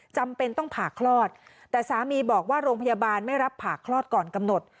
จำเป็นต้องผ่าคลอดแต่สามีบอกว่าโรงพยาบาลไม่รับผ่าคลอดก่อนกำหนด